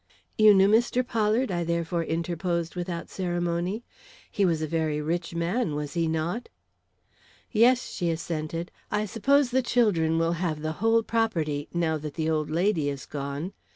"You knew Mr. Pollard?" I therefore interposed without ceremony. "He was a very rich man, was he not?" "Yes," she assented. "I suppose the children will have the whole property, now that the old lady is gone.